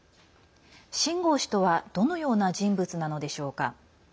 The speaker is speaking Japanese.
秦剛氏とはどのような人物なのでしょうか。